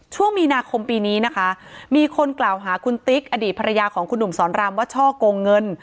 ช่วงมีนาคมปีนี้นะคะมีคนกล่าวหาคุณติ๊กอดีตภรรยาของคุณหนุ่มสอนรามว่าช่อกงเงิน